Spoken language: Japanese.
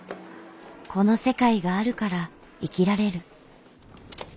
この世界があるから生きられる。